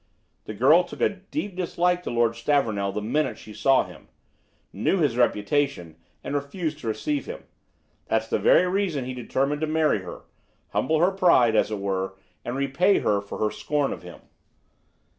The girl took a deep dislike to Lord Stavornell the minute she saw him; knew his reputation, and refused to receive him. That's the very reason he determined to marry her, humble her pride, as it were, and repay her for her scorn of him.